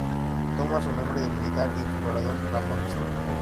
Toma su nombre del militar y explorador Ramón Lista.